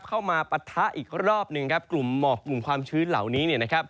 เข้ามาปัดทะอีกรอบหนึ่งกลุ่มหมอกบุรุณความชื้นเหล่านี้